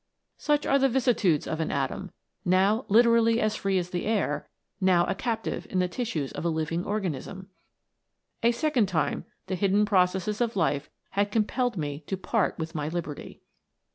Such are the vicissitudes of an atom, now literally as free as the air, now a captive in the tissues of a living organism ! A second time the hidden processes of life had compelled me to part with my liberty.